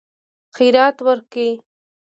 خیرات ورکړي.